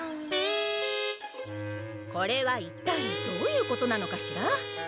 これはいったいどういうことなのかしら？